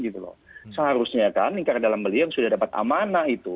seharusnya kan lingkar dalam beliau sudah dapat amanah itu